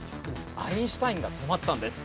アインシュタインが泊まったんです。